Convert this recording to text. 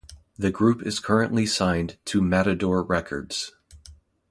The group is currently signed to Matador Records.